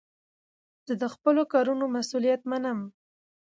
زه د خپلو کارونو مسئولیت منم.